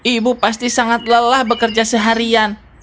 ibu pasti sangat lelah bekerja seharian